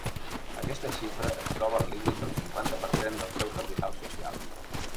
Aquesta xifra es troba al límit del cinquanta per cent del seu capital social.